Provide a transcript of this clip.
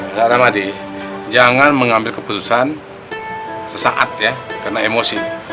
naramadi jangan mengambil keputusan sesaat ya karena emosi